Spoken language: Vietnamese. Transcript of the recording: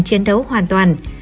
chiến đấu hoàn toàn